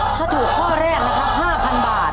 ถ้าถูกข้อแรกนะครับ๕๐๐บาท